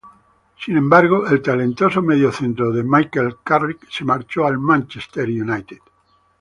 Sin embargo, el talentoso mediocentro Michael Carrick se marchó al Manchester United.